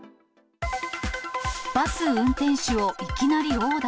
バス運転手をいきなり殴打。